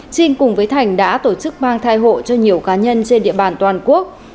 trinh cùng với thành đã tổ chức mang thai hộ cho nhiều cá nhân trên địa bàn toàn quốc